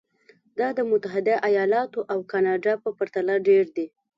دا د متحده ایالتونو او کاناډا په پرتله ډېر دي.